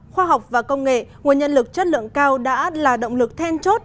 khoa học và công nghệ nguồn nhân lực chất lượng cao đã là động lực then chốt